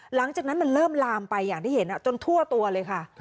หลังจากนั้นมันเริ่มลามไปจนทั่วตัวเลยค่ะ